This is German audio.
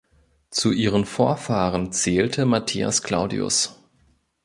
Zu ihren Vorfahren zählte Matthias Claudius.